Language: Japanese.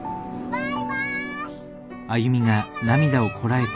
バイバイ。